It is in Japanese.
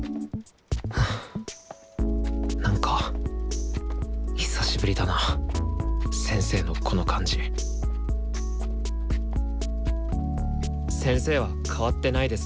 なんか久しぶりだな先生のこの感じ先生は変わってないですね。